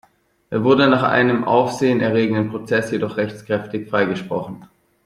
Er wurde nach einem Aufsehen erregenden Prozess jedoch rechtskräftig freigesprochen.